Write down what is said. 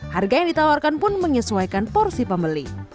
harga yang ditawarkan pun menyesuaikan porsi pembeli